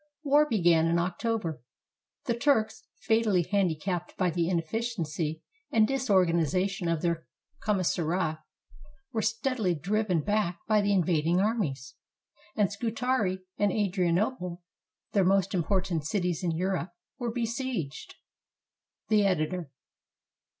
War began in October. The Turks, fatally handicapped by the inefficiency and dis organization of their commissariat, were steadily driven back by the invading armies, and Scutari and Adrianople, their most important cities in Europe, were besieged. The Editor.